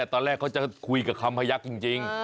ตอนแรกเขาจะคุยกับคำพยักษ์จริง